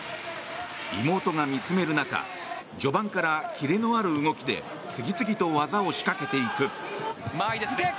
妹が見つめる中序盤からキレのある動きで次々と技を仕掛けていく。